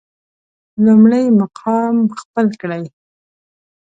لومړی مقام خپل کړي.